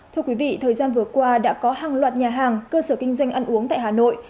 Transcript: thưa quý vị thời gian vừa qua đã có hàng loạt nhà hàng cơ sở kinh doanh ăn uống tại hà nội